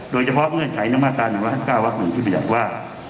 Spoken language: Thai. โดยเฉพาะเงื่อนไขน้้ำตาหนึ่งร้านหักเก้าวักหนึ่งที่ประหยัดว่า